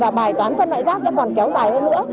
và bài toán phân loại rác sẽ còn kéo tài hơn nữa